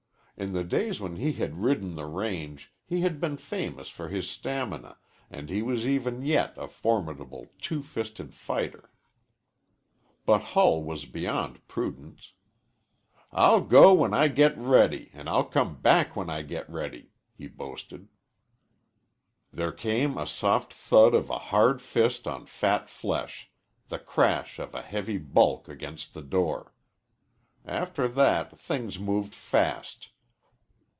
In the days when he had ridden the range he had been famous for his stamina and he was even yet a formidable two fisted fighter. But Hull was beyond prudence. "I'll go when I get ready, an' I'll come back when I get ready," he boasted. There came a soft thud of a hard fist on fat flesh, the crash of a heavy bulk against the door. After that things moved fast.